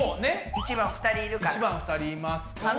１番２人いますから。